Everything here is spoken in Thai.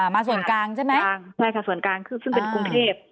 มาส่วนกลางใช่ไหมใช่ค่ะส่วนกลางคือซึ่งเป็นกรุงเทพ